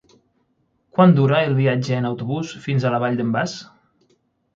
Quant dura el viatge en autobús fins a la Vall d'en Bas?